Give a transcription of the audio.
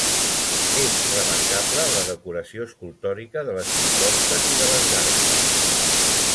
És remarcable la decoració escultòrica de les impostes i de les gàrgoles.